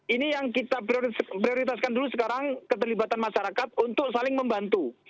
ini yang kita prioritaskan dulu sekarang keterlibatan masyarakat untuk saling membantu